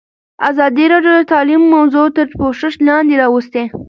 ازادي راډیو د تعلیم موضوع تر پوښښ لاندې راوستې.